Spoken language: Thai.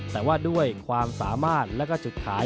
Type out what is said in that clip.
แต่ว่าด้วยความสามารถและก็จุดขาย